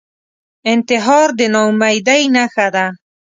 انتحار د ناامیدۍ نښه ده